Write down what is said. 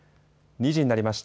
２時になりました。